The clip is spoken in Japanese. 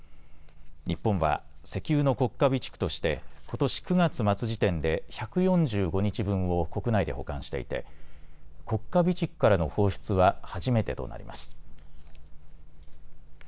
日本は石油の国家備蓄としてことし９月末時点で１４５日分を国内で保管していて国家備蓄からの放出は初めてとなります。